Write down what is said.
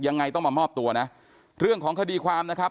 ยังไงต้องมามอบตัวนะเรื่องของคดีความนะครับ